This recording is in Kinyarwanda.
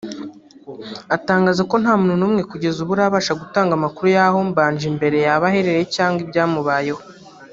Atangaza ko nta muntu n’umwe kugeza ubu urabasha gutanga amakuru y’aho Mbanjimbere yaba aherereye cyangwa ibyamubayeho